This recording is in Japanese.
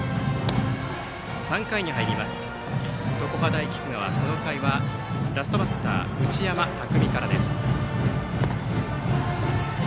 ３回に入ります、常葉大菊川この回はラストバッター内山拓海から。